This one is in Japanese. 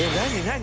何？